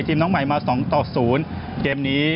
ทีมน้องใหม่มา๒๐เกมนี้